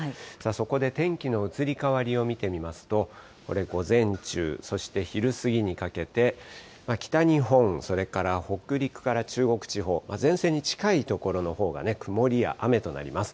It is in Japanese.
そこで天気の移り変わりを見てみますと、これ午前中、そして昼過ぎにかけて、北日本、それから北陸から中国地方、前線に近い所のほうが曇りや雨となります。